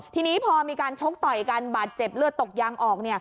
ทีนี้พอมีการชกต่อยกันบาดเจ็บเลือดตกยางออก